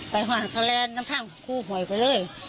ไปเจอทางโขยไปเลย